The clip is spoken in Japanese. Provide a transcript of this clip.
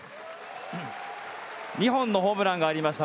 ２本のホームランがありました。